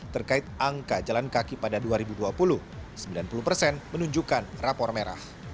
terkait angka jalan kaki pada dua ribu dua puluh sembilan puluh persen menunjukkan rapor merah